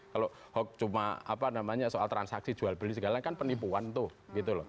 kalau hoax cuma apa namanya soal transaksi jual beli segala kan penipuan tuh gitu loh